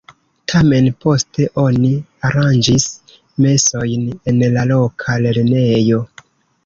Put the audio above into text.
Tamen poste oni aranĝis mesojn en la loka lernejo.